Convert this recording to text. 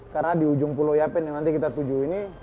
karena di ujung pulau yapen yang nanti kita tuju ini